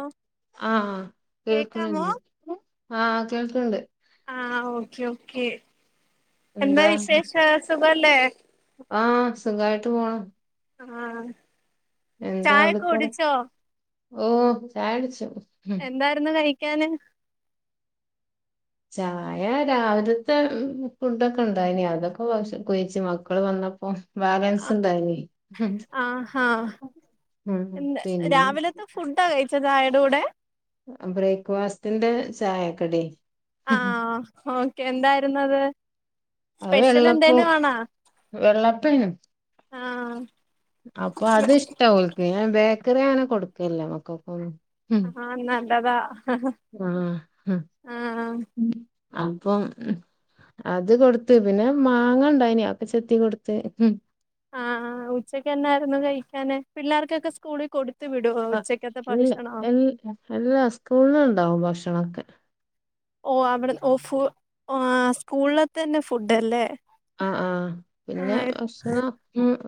ആ ആഹ കേക്കാമോ കേൾക്കണില്ല ആഹ് കേൾക്കണ്ട് ആ ഓക്കെ ഓക്കെ എന്താ വിശേഷ സുഖല്ലേ ആഹ സുഖമായിട്ട് പോണൂ ആഹ ചായ ക്കെ അവിടുത്തെ കുടിച്ചോ ഓ ചായുടച്ചു എന്തായിരുന്നു കഴിക്കാന് ചായ രാവിലത്തെ ഫുഡൊക്കെ ഉണ്ടായിനി അതൊക്കെകഴിച്ചു മക്കള് വന്നപ്പോ ബാലൻസ് ഉണ്ടായിനി ഉം ആഹ് ആഹ് ഉം. എന്താ പിന്നെ രാവിലത്തെ ഫുഡാ കഴിച്ചത് ചായയുടെ കൂടെ ബ്രേക്ക്ഫാസ്റ്റിന്റെ ചായക്കടി ആഹ് ഓക്കെ എന്തായിരുന്നത് അത് സ്പെഷ്യൽ വെള്ളപ്പ എന്തേലും ആണാ വെള്ളപെയ്നി ആഹ് അപ്പൊ അത് ഇഷ്ടഓല്ക്ക് ഞാൻ ബേക്കറി അങ്ങനെ കൊടുക്കല്ല മക്കക്കൊന്നും ആഹ് നല്ലതാ ആഹ് ആ അപ്പം അത് കൊടുത്ത് പിന്നെ മാങ്ങ ഉണ്ടായിനി അതൊക്കെ ചെത്തി കൊടുത്ത് ആഹ് ആ ഉച്ചക്ക് എന്നായിരുന്നു കഴിക്കാന് പിള്ളേർക്കൊക്കെ സ്കൂളിൽ കൊടു ആ ഇല്ല എ എല്ലാ സ്കൂളില് ഉണ്ടാവും ഭക്ഷണൊക്കെ ഓ അവിടെ ഓ ഫു സ്കൂളിൽതന്നെ ഫുഡ്ല്ലേ ആ ആഹ് പിന്നെഭക്ഷണം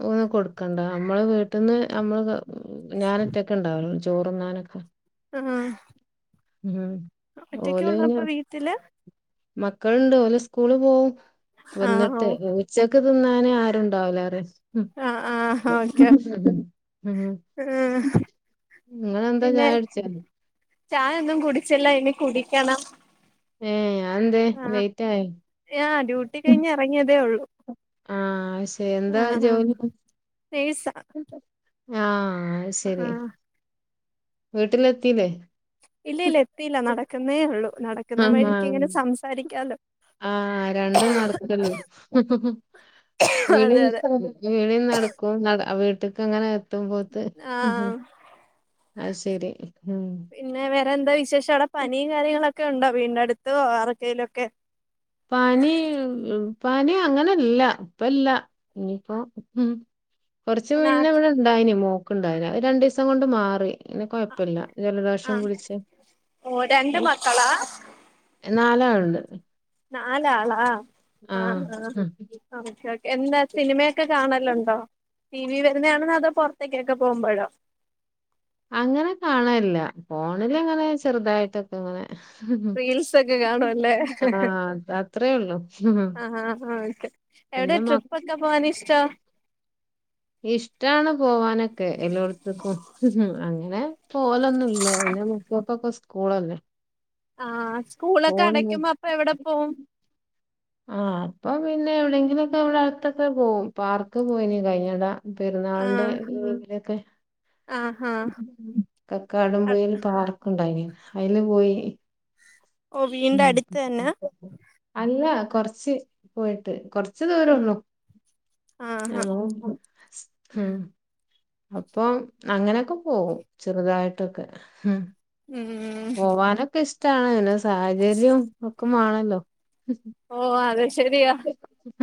ഒന്ന് കൊടുക്കണ്ട നമ്മള് വീട്ടിൽന്ന് നമ്മള് ഞാന് ഒറ്റക്കെ ഇണ്ടാവല്ലോ ചോറ്ന്നാനൊക്കെ ആഹ് ഉം ഓല്ന്ന വീട്ടില് മക്കളുണ്ട് ഓല് സ്കൂള് പോകും ആഹ് വന്നിട്ട് ഉച്ചക്ക് തിന്നാൻ ആരുണ്ടാവൂല അറിയാ ആഹ് ആഹ് ഓക്കെ ഉം ആഹ് നിങ്ങെന്താ ചായ കുടിച്ച ചായൊന്നും കുടിച്ചില്ല ഇനി കുടിക്കണം ഏ അതെന്തേ ആഹ് ലേറ്റ് ആയോ ആഹ് ഡ്യൂട്ടി കഴിഞ്ഞ് ഇറങ്ങിയതേ ഉള്ളൂ പക്ഷെ എന്താ ആഹ് ജോലി നേഴ്സാ ആഹ് ആഹ് വീട്ടിലെത്തില്ലേ ഇല്ല ഇല്ല എത്തിയില്ല നടക്കുന്നേ ഉള്ളൂ നടക്കുന്ന ആഹ് വഴിക്ക് ഇങ്ങനെ സംസാരിക്കാലോ ആഹ് രണ്ടും നടക്കള്ളൂ വിളി അതെ അതെ വിളി നടക്കും വീട്ട്ക്ക് അങ്ങനെ എത്തുംപോത്ത് ആഹ് അ ത്ശരി പിന്നെ വേറെന്താ വിശേഷം അവിടെ പനിയും കാര്യങ്ങളൊക്കെ ഉണ്ടോ വീടിനടുത്തോ അടുത്തോ ആർക്കെയിലൊക്കെ പനി പാനി അങ്ങനെല്ല ഇപ്പല്ല ഇനിയിപ്പോ ഉം കൊറച്ച് മുന്നേ ഇവിടെ ഇണ്ടായിന് മോക്ക് ണ്ടായിനി അ ത് രണ്ടു ദിവസം കൊണ്ട് മാറി ഇന്ന് കൊഴപ്പല്ല ജലദോഷം ആഹ് പിടിച്ച് ഓ രണ്ട് മക്കളാ അ നാലാൾണ്ട് നാലാളാ ആഹ് ആഹ് ഓക്കെ ഓക്കെ എന്താ സിനിമയൊക്കെ കാണലുണ്ടോ ടി വി വരുന്നതാണെന്ന് അതോ പൊ റത്തേക്കൊക്കെ പോകുമ്പോഴോ അങ്ങനെ കാണല്ല ഫോണില് അങ്ങനെ ചെറുതായിട്ടൊക്കെ ഇങ്ങനെ റീൽസ് ഒക്കെ കാണുവല്ലേ ആ അത്രയേ ഉള്ളു ആഹ് ആഹ് ഓക്കെ എവിടെ ട്രിപ്പ് ഒക്കെ പോവാന് ഇഷ്ടം ഇഷ്ടാണ് പോവാനൊക്കെ എല്ലോടത്തെക്കും അങ്ങനെ പോവലൊന്നും ഇല്ല പിന്നെ മക്കക്കൊക്കെ സ്കൂളോറന്നു ആ സ്കൂളൊക്കെ അടക്കുമ്പോ അപ്പൊ എവിടെ പോവും ആ അപ്പൊ പിന്നെ എവിടെയങ്കിലുമൊക്കെ ഇവിടെ അടുത്തൊക്കെ പോവും പാർക്ക് പോയിന് കഴിഞ്ഞട പെരുന്നാളിന്റെ ആഹ് ലീവിലൊക്കെ ആഹാ കക്കാടം പൊയ്യെല് പാർക്കുണ്ടായിന് അതില് പോയി ഓ വീടിന്റെ ഉം അടുത്ത് തന്നെ അല്ല കൊറച്ച് പോയിട്ട് കൊറച്ച് ഉം ദൂരള്ളു ആഹാ ഹ അപ്പം അങ്ങനൊക്കെ പോവും ചെറുതായിട്ടൊക്കെ ഉം പോവാനൊക്കെ ഇഷ്ടാണ് പിന്നെ സാഹചര്യം ഒക്കെ വാണല്ലോ ഓ അത് ശെരിയാ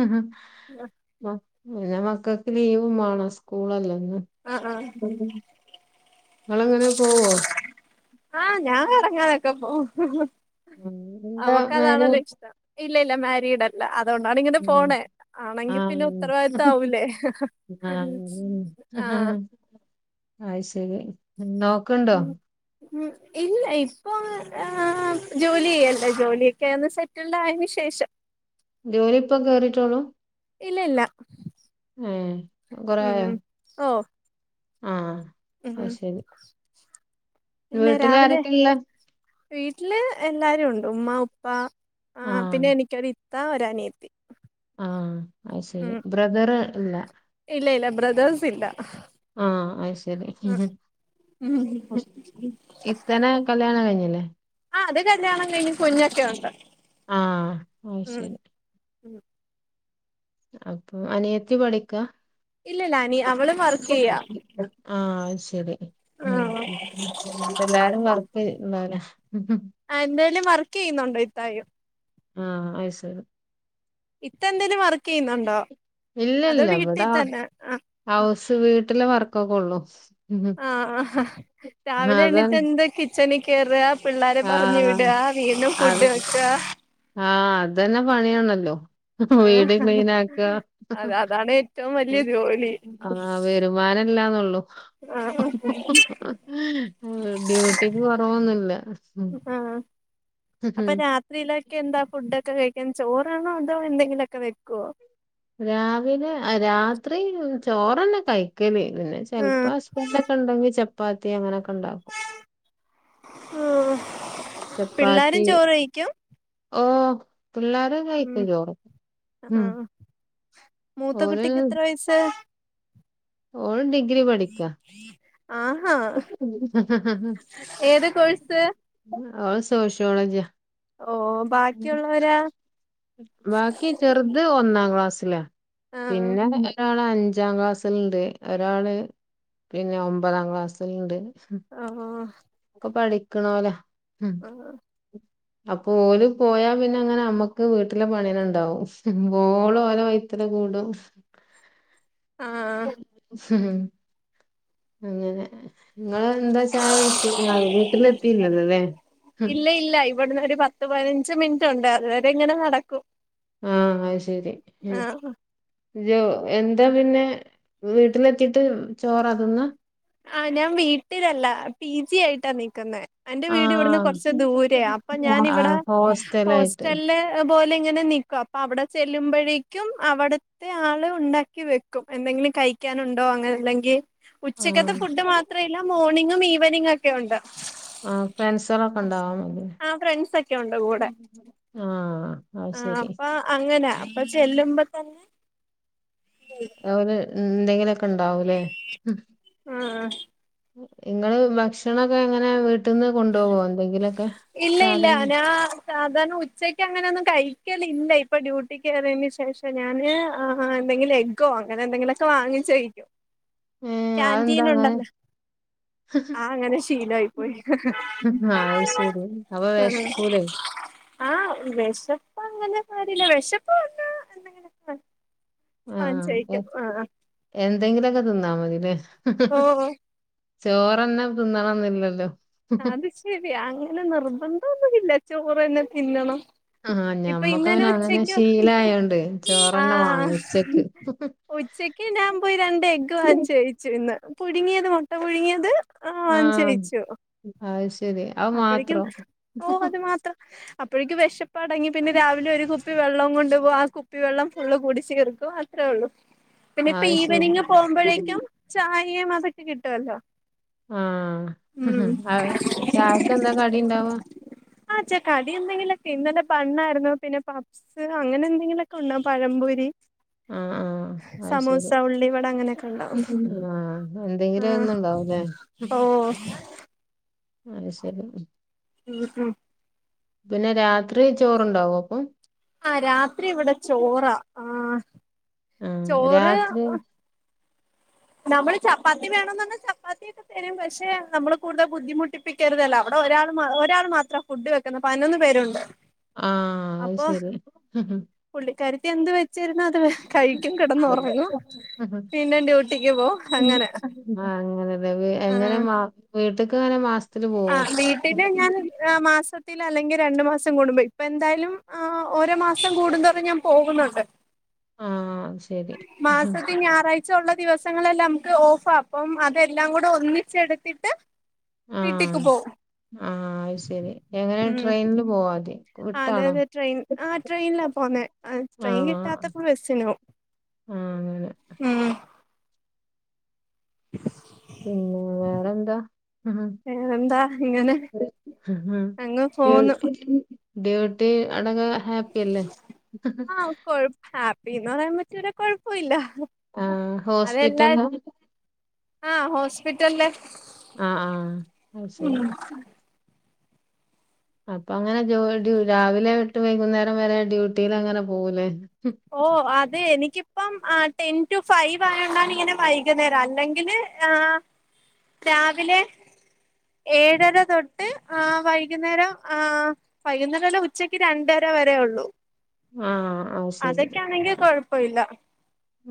ആ ആ ന്നെ മക്കൾക്ക് ലീവും വേണോ സ്കൂളലിരുന്ന് ആഹ് ആഹ് ഇങ്ങള് എങ്ങനെ പോവോ ആ ഞാൻ കറങ്ങാനൊക്കെ പോവും ഉം. എന്താ നമ്മക്ക് മാരേ അതാണല്ലോ ഇഷ്ടം ഇല്ല ഇല്ല മാരീഡ് അല്ല അതുകൊണ്ടാണ് ഇങ്ങനെ ഉം പോണെ ആണെങ്കിൽ പിന്നെ ആഹ് ഉത്തരവാദിത്തം ആവില്ലേ ആ [inaudible] അയ് ശരി നോക്ക് ണ്ടോ ഉം ഉം ഇല്ല ഇപ്പൊ ആ ജോലി ചെയ്യല്ലേ ജോലിയൊക്കെന്ന് സെറ്റിൽഡ് ആയെന് ശേഷ ശേഷം ജോലി ഇപ്പൊ കേറിട്ടോളൂ ഇല്ല ഇല്ല ഏ കൊറേ ഉം ആയോ ഓ ആഹ് ഉം പിന്നെ വീട്ടില് രാവിലെ ആരൊക്കെ ഇള്ളെ വീട്ടില് എല്ലാരും ഉണ്ട് ഉമ്മ ഉപ്പ ആഹ് പിന്നെ എനിക്കൊരു ഇത്ത ഒരനിയത്തി ആ അത് ശരി ഉം ബ്രദറ് ഇല്ല ഇല്ല ഇല്ല ബ്രദേഴ്സ് ഇല്ല. ആ അത് ശരി ഉം ഇത്താനെ കല്യാണം കഴിഞ്ഞില്ലേ ആ അത് കല്യാണം കഴിഞ്ഞ് കുഞ്ഞൊക്കെ ഉണ്ട് ആഹ് അത് ഉം ശരി ഉം അപ്പൊ അനിയത്തി പഠിക്ക ഇല്ലല്ല അനി അവള് വർക്ക് ചെയ്യാ ആ അയ് ശ ശരി ഉം ആഹ് എല്ലാരും വർക്ക് ഇണ്ടാവുല്ലേ ആ എന്തായാലും വർക്ക് ചെയ്യുന്നുണ്ടോ ഇത്തായും ആ അയി ശരി. ഇത്ത എന്തേലും വർക്ക് എ യ്യുന്നുണ്ടോ ഇല്ല അതോ ഇല്ല വീട്ടി ഇവിടെ തന്നെ ആ ഹൗസ് വീട്ടിലെ വർക്കൊക്കെള്ളൂ ആ ആ രാവിലെ എണീറ്റ് അതാണ് എന്നും കിച്ചണീ കേറ പിള്ളേരെ പറഞ്ഞു വിട ആഹ് വീണ്ടും ഫുഡ് വെക്ക ആ അതന്നെ പണിയണല്ലോ വീട് ആഹ് ക്ലീൻ ആക്ക അത് അതാണ് ഏറ്റവും വലിയ ജോലി ആ വരുമാനം കിട്ടുന്നില്ലന്നെ ഉള്ളു ആഹ് ഡ്യൂട്ടിക്ക് കൊ റവൊന്നുല്ല ആ അപ്പൊ രാത്രിയിലൊക്കെ എന്താ ഫുഡൊക്കെ കഴിക്കാൻ ചോറ് ആണോ അതോ എന്തെങ്കിലുമൊക്കെ വെക്കുവോ രാവിലെ രാത്രി ചോറ് എന്നെ കഴിക്കല് പിന്നെ ആഹ് ചെലപ്പോ ഹസ്ബന്റൊക്കെ ഉണ്ടെങ്കി ചപ്പാത്തി അങ്ങനെയൊക്കെ ഉണ്ടാക്കും പിള്ളാരും ചോറ് കഴിക്കും ഓ പിള്ളേര ഉം കഴിക്കും ചോറ് ഉം ആഹ് മൂത്ത ഓല് കുട്ടിക്ക് എത്ര വയസ്സ് ഓള് ഡിഗ്രി പഠിക്കാ ആഹാ ഏത് കോഴ്സ് ഓള് സോഷോളജിയ ഓ ബാക്കിയുള്ളവരോ ബാക്കി ചെറുത് ഒന്നാം ക്ലാസ്സില ആഹ് പിന്നെ ഒരാൾ അഞ്ചാം ക്ലാസ്സിൽ ഉണ്ട് ഒരാള് പിന്നെ ഒമ്പതാം ക്ലാസ്സിൽ ഉണ്ട് ഓഓ പഠിക്കണോല്ല ആഹ് അപ്പൊ ഓര് പോയാ പിന്നെ അങ്ങനെ നമ്മക്ക് വീട്ടിലെ പണി ഉണ്ടാവും മോള് ഓലെ വഴികല. കൂട ആഹ് ഹു ഹും അങ്ങനെ നിങ്ങള് എന്താ ചായ കുടിച്ചുകു ണോ വീട്ടിലെത്തി വീട്ടിലെത്തി ഇല്ലല്ലോ ലേ- ഇവിടന്ന് ഒരു പത്ത് പതിനഞ്ച് മിനിറ്റ്ണ്ട് അതുവരെങ്ങനെ നടക്കും. ആഹ് അത് ശരി ഉം. ആഹ് രോ എന്താ പിന്നെ വീട്ടിലെത്തിട്ട് ചോറ തിന്നാ. ആഹ് ഞാൻ വീട്ടിലല്ല പി ജി ആയിട്ടാ നിക്കുന്നെ എന്റെ വീട് ഇവിടുന്ന് ആഹ് കുറച്ച് ദൂരയാ അപ്പോ ഞാനിവിടെ ആഹ് ഹോസ് ഹോസ്റ്റലായിട്ട് റ്റലിലെ ബോയ് ഇങ്ങനെ നിക്കാ അവിടെ ചെല്ലുമ്പോഴേക്കും അവിടത്തെ ആള് ഉണ്ടാക്കി വെക്കും. എന്തെങ്കിലും കഴി കിക്കാനുണ്ടോ അങ്ങനെല്ലെങ്കി ആഹ് ഫുഡ് മാത്ര ഇല്ല മോർണിങ്ങും ഈവനിങ്ങും ഒക്കെ ഉണ്ട്. ആഹ് ഫ്രണ്ട്സളൊക്കെ ഉണ്ടാവാൻ മതി ആ ഫ്രണ്ട്സക്കെ ഉണ്ട് കൂടെ. ആഹ് അത് ആ ശരി അപ്പൊ അങ്ങനെ അപ്പൊ ചെല്ലുമ്പോ തന്നെ അവര് എന്തെങ്കിലൊക്കെ ഇണ്ടാവൂലേ. ആഹ് നിങ്ങള് ഭക്ഷണൊക്കെ എങ്ങനെ വീട്ടിൽന്ന് കൊണ്ടുപോകോ എന്തെങ്കിലൊ ഇല്ല ഇല്ല ഞാ സാധാരണ ഉച്ചക്ക് അങ്ങനെ ഒന്നും കഴി ക്കലില്ല ഇപ്പൊ ഡ്യൂട്ടിക്ക്റിയതിനന് ശേഷം ഞാന് എന്തെങ്കിലും എഗ്ഗോ അങ്ങനെ എന്തെലൊക്കെ വാങ്ങി ഏ അതെന്താ കാന്റീൻ അങ്ങനെ ഉണ്ടല്ലോ. ആഹ് അങ്ങനെ ശീലായി പോയി. ആ അത് ശരി അപ്പൊ ഹ് വിശക്കൂലേ അ ആ വെഷ അപ്പ അങ്ങനെ കാര്യല്ല. വിഷപ്പങ്ങനൊക്കെ ആഹ് എന്തെങ്കിലൊക്കെ തിന്നാ മതില്ലേ. ഓ ഓ ചോറന്നെ തിന്നണം എന്നില്ലല്ലോ. അത് ശെരിയാ. അങ്ങനെ നിർബന്ധൊന്നുല്ല. ചോറ്ന്നെ തിന്നണം ആഹ് ഇപ്പൊ ഞമ്മക്ക് ഇന്നലെ പിനെ അങ്ങനെ ഉച്ചക്ക് ശീല ആയോണ്ട് ആ ചോറെന്ന വാങ്ങി ഉച്ചക്ക് ഉച്ചക്ക് ഞാൻ പോയി രണ്ട് എഗ് വാങ്ങിച്ചു കഴിച്ചു. ഇന്ന് പുഴുങ്ങിയത് മുട്ട പുഴുങ്ങിയത്. ആ ആഹ് ജയിച്ചു അത് ശരി അത് അപ്പോഴേക്കും മാത്രം ഓ അത് മാത്രം അപ്പോഴേക്ക് വിഷപ്പ അടങ്ങി. പിന്നെ രാവിലെ ഒരു കുപ്പി വെള്ളം കൊണ്ട് ഒ ആ കുപ്പിവെള്ളം ഫുള് കുടിച് തീർത്തു അത്രയേ ഉള്ളൂ പിന്നെ ഇപ്പ അത് ഈവനിങ് ശരി പോകുമ്പോഴേക്കും ചായയും അതൊക്കെ കിട്ടുവല്ലോ. ആഹ് ഉം അത് ശെരി. ചായക്ക് എന്താ കടി ഉണ്ടാവാ ഇന്ന് ന്നെ ബൺ ആയിരുന്നു പിന്നെ പപ്സ് അങ്ങനെ എന്തെങ്കിലും ഒക്കെ ഉണ്ടാകും. പഴം പൊരി ആ ആ അയ്ശെരി ഉള്ളിവട അങ്ങനെയൊക്കെ ഉണ്ടാവും ആഹ് ആ എന്തെങ്കിലും ഒന്നുംണ്ടാവൂല്ലേ ഓ അത് ശെരി ഉം ഉം പിന്നെ രാത്രി ചോറുണ്ടാവോ അപ്പം ആ രാത്രി ഇവിടെ ചോറ ആഹ് ചോറ് രാത്രി നമ്മള് ചപ്പാത്തി വേണംന്ന് പറഞ്ഞാ ചപ്പാത്തിയോക്കെ തരും പക്ഷെ നമ്മള് കൂടുതൽ ബുദ്ധിമുട്ടിപ്പിക്കരുതല്ലോ അവടെ ഒരാൾ ഒരാൾ മാത്രം ഫുഡ് വെക്കുന്ന പതിനൊന്ന് പേരുണ്ട് ആ അത്ശെരി ഹ് ഹ് കരുതി എന്ത് വെച്ചിരുന്ന അത് കഴിക്കും കെടന്ന് ഒറങ്ങും ആഹ് പിന്നെ ഡ്യൂ ട്ടിക്ക് പോം അങ്ങനെ അങ്ങനെല്ലേ എങ്ങനെ വീട്ടക്ക്ങ്ങനെ മാസ് ആ വീട്ടില് ഞാൻ മാസത്തില് അല്ലെങ്കിൽ രണ്ടു മാസം കൂടുമ്പോ ഇപ്പ എന്തായാലും ആ ഓരോ മാസം കൂടും തോറും ഞാൻ പോകുന്നുണ്ട് ആ ശെരി ഉം ച്ചാ ഒള്ള ദിവസങ്ങളെല്ലാം നമുക്ക് ഓഫാ അപ്പം അതെല്ലാം കൂടെ ഒന്നിച്ചെടുത്തിട്ട് ആഹ് വീട്ടിക്ക് പോവും ആഹ് അത് ശരി എങ്ങനെയ ട്രെയിനില് പോവോ അവിടെ ആ അതെ അതെ ട്രെയിൻ ആ ട്രെയിനിലാ പോന്നെ ട്രെയിൻ ആഹ് കിട്ടാത്തപ്പോ ബെസ്സിനോം ആ അങ്ങനെ ഉം പിന്നെ വേറെ എന്താ ആ വേറെന്താ ഇങ്ങനെ അങ്ങ് കേ പോന്നു [inaudible] ഡ്യൂട്ടി അവടൊക്കെ ഹാപ്പി അല്ലേ പ്പിന്ന് പറയാൻ പറ്റൂല്ല കൊഴപ്പൊല്ല ആ ഹോസ്പിറ്റൽ ആ ഹോസ്പിറ്റലില് ആ ആ അയ്ശെരി അപ്പൊ അങ്ങനെ ജോ ഡ്യൂ രാവിലെ തൊട്ട് വൈകുന്നേരം വരെ ഡ്യൂട്ടിൽ അങ്ങനെ പോകൂലേ ഓ അതെ എനിക്കിപ്പം ആ ടെൻ ടു ഫൈവ് ആയതോണ്ടാണ് ഇങ്ങനെ വൈകുന്നേരം അല്ലെങ്കിൽ ആ രാവിലെ ഏഴര തൊട്ട് ആ വൈകുന്നേരം ആ വൈകുന്നേരംല്ല ഉച്ചക്ക് രണ്ടര വരേ ഒള്ളൂ ആ അത് ശരി അതൊക്കൊയാണെങ്കിൽ കൊഴപ്പ ഇല്ല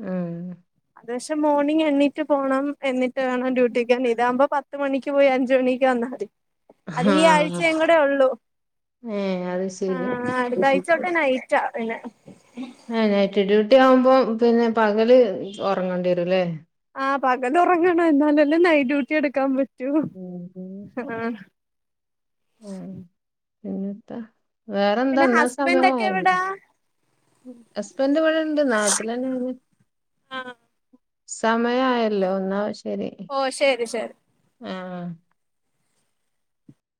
ഉം അത്ശേ മോർണിംഗ് എണീറ്റു പോണം എന്നിട്ട് വേണം ഡ്യൂട്ടിക്ക് വരാൻ ഇതാകുമ്പോ പത്ത് മണിക്ക് പോയി അഞ്ച് മണിക്ക് വന്നാൽ മതി അത് ഈ ആ ആഴ്ചേയും കൂടെ ഒള്ളൂ ഏ അത് ആ ശരി അടുത്ത ആഴ്ചോട്ട് നൈറ്റാ പിന്നെ ആ നൈറ്റ് ഡ്യൂട്ടി ആവുമ്പോ പിന്നെ പകല് ഒറങ്ങേണ്ടിരുംല്ലേ ആ പകൽ ഉറങ്ങണം എന്നാലല്ലേ നൈറ്റ് ഡ്യൂട്ടി എടുക്കാൻ പറ്റു ഉം റ്റൂ ആ ഉം ആ. പിന്നെത്താ വേറെന്താെ പിന്നെ ന്നാ ഹസ്ബൻഡ് ഒക്കെ സമയായില്ലേ എവിടാ ഹസ്ബൻഡ് ഇവിടെണ്ട് നാട്ടിലെന്നെണ് ആ സമയായല്ലോ എന്നാ ഓ ശെരി ശെരി ആ